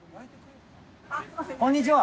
こんにちは！